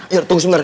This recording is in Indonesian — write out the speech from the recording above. ya tunggu sebentar